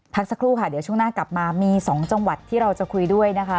สักครู่ค่ะเดี๋ยวช่วงหน้ากลับมามี๒จังหวัดที่เราจะคุยด้วยนะคะ